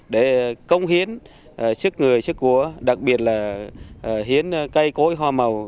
để công hiến sức người sức của đặc biệt là hiến cây cối hoa màu